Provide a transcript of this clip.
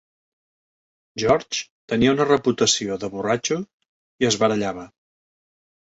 George tenia una reputació de borratxo i es barallava.